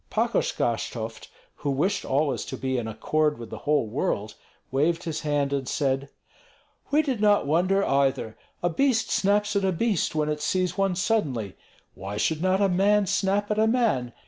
Pakosh Gashtovt, who wished always to be in accord with the whole world, waved his hand and said: "We did not wonder, either. A beast snaps at a beast when it sees one suddenly; why should not a man snap at a man?